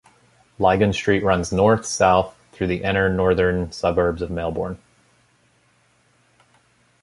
Lygon Street runs north-south through the inner northern suburbs of Melbourne.